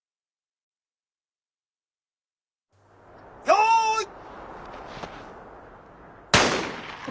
よい。